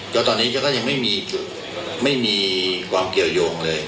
ก็ตอนนี้ก็ยังไม่มีความเกี่ยวยงเลย